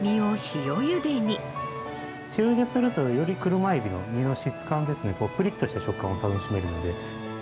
塩茹でするとより車エビの身の質感ですねプリッとした食感を楽しめるので。